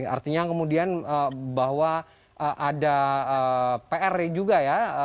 artinya kemudian bahwa ada pr juga ya